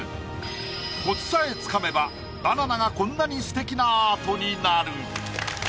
コツさえつかめばバナナがこんなにすてきなアートになる。